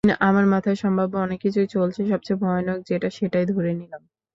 আমার মাথায় সম্ভাব্য অনেক কিছুই চলছে, সবচেয়ে ভয়ানক যেটা সেটাই ধরে নিলাম।